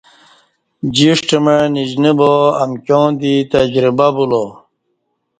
جݜٹ مع نیشنہ با امکیاں دی تجربہ بولا